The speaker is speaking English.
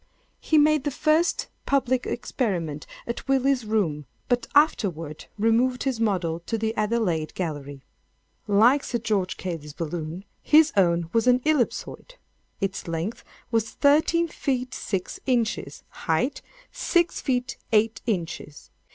He made the first public experiment at Willis's Rooms, but afterward removed his model to the Adelaide Gallery. "Like Sir George Cayley's balloon, his own was an ellipsoid. Its length was thirteen feet six inches—height, six feet eight inches.